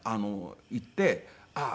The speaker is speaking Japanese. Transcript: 行ってああ